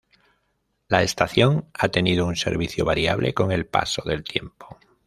La estación ha tenido un servicio variable con el paso del tiempo.